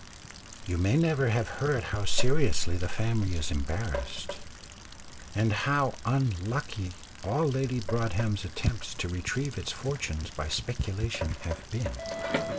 You may never have heard how seriously the family is embarrassed, and how unlucky all Lady Broadhem's attempts to retrieve its fortunes by speculation have been.